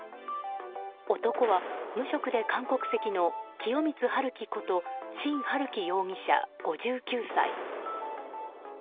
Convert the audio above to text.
男は無職で韓国籍の清光春樹こと辛春樹容疑者５９歳。